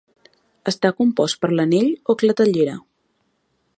Està compost per l'anell o clatellera?